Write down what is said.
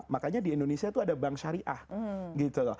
makanya di indonesia itu ada bank syariat